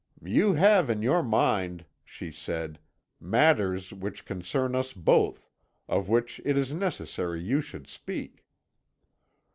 "'You have in your mind,' she said, 'matters which concern us both, of which it is necessary you should speak.'